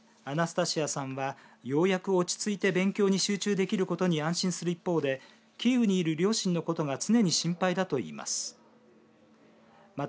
アナスタシアさんはようやく落ち着いて勉強に集中できることに安心する一方でキーウにいる両親のことが常に心配だといいます。